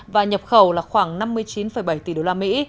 và nhập khẩu là khoảng năm mươi chín bảy tỷ đô la mỹ